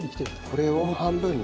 これを半分に？